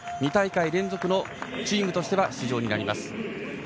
２大会連続のチームとしては出場になります。